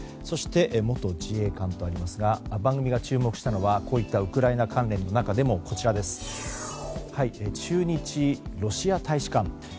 そして、元自衛官とありますが番組が注目したのはこういったウクライナ関連の中でも駐日ロシア大使館。